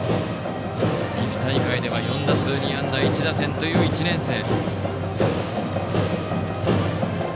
岐阜大会では４打数２安打１打点という１年生。